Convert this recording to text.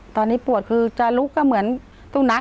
ตอนนี้ปวดคือจะลุกก็เหมือนสุนัข